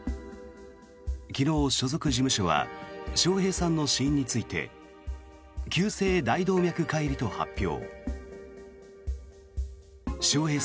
昨日、所属事務所は笑瓶さんの死因について急性大動脈解離と発表。